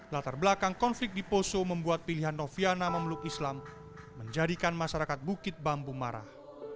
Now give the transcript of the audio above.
latar belakang konflik di poso membuat pilihan noviana memeluk islam menjadikan masyarakat bukit bambu marah